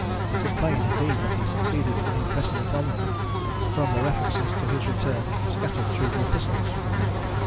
It is plain, indeed, that he succeeded in impressing it on them, from the references to his return scattered through the epistles.